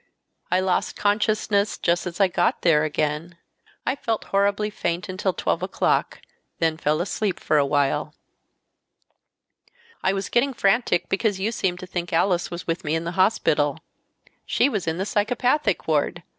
I lost. consciousness just as I got there again. I felt horribly faint until 12 o'clock, then fell asleep for awhile." "I was getting frantic because you seemed to think Alice was with me in the hospital. She was in the psychopathic ward.